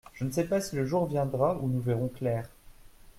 Je ne sais pas si le jour viendra où nous verrons clair ?